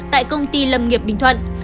tại công ty lâm nghiệp bình thuận